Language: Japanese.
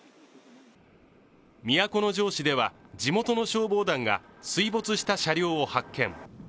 都城市では、地元の消防団が水没した車両を発見。